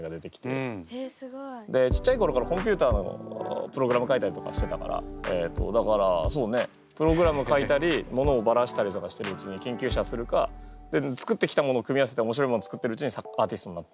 えっすごい。でちっちゃい頃からコンピューターのプログラム書いたりとかしてたからえっとだからそうねプログラム書いたり物をバラしたりとかしているうちに研究者するか作ってきたものを組み合わせておもしろいもん作ってるうちにアーティストになって。